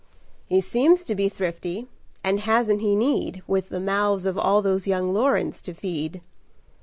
"He seems to be thrifty; and hasn't he need, With the mouths of all those young Lorens to feed?